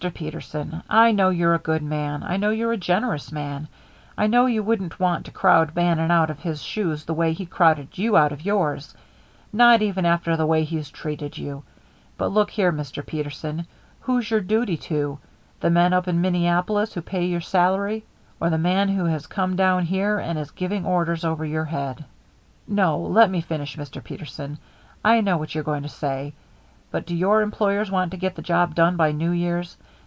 Peterson, I know you're a good man. I know you're a generous man. I know you wouldn't want to crowd Bannon out of his shoes the way he crowded you out of yours; not even after the way he's treated you. But look here, Mr. Peterson. Who's your duty to? The men up in Minneapolis who pay your salary, or the man who has come down here and is giving orders over your head? " No, just let me finish, Mr. Peterson. I know what you're going to say. But do your employers want to get the job done by New Year's?